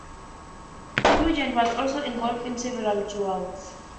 Nugent was also involved in several duels.